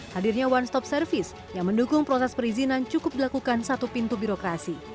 hadirnya one stop service yang mendukung proses perizinan cukup dilakukan satu pintu birokrasi